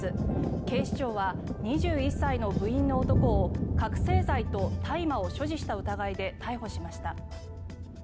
警視庁は２１歳の部員の男を覚醒剤と大麻を所持した疑いで逮捕しました。